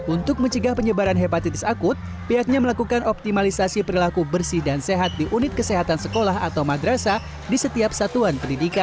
untuk mencegah penyebaran hepatitis akut pihaknya melakukan optimalisasi perilaku bersih dan sehat di unit kesehatan sekolah atau madrasah di setiap satuan pendidikan